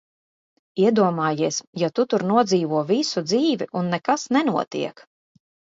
Iedomājies, ja tu tur nodzīvo visu dzīvi, un nekas nenotiek!